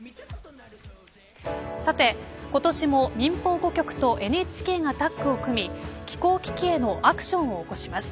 さて、今年も民放５局とＮＨＫがタッグを組み気候危機へのアクションを起こします。